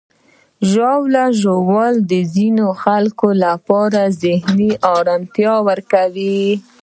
ژاوله ژوول د ځینو خلکو لپاره ذهني آرامتیا ورکوي.